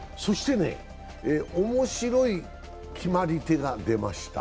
面白い決まり手が出ました、